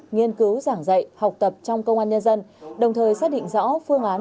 nghiên cứu giảng dạy học tập trong công an nhân dân đồng thời xác định rõ phương án